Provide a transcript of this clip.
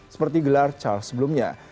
seperti gelar charles sebelumnya